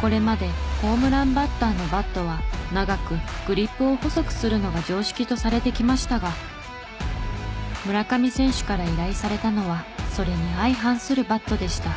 これまでホームランバッターのバットは長くグリップを細くするのが常識とされてきましたが村上選手から依頼されたのはそれに相反するバットでした。